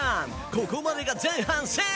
ここまでが前半戦。